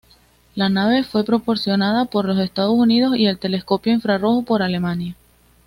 La nave fue proporcionada por los Estados Unidos y el telescopio infrarrojo por Alemania.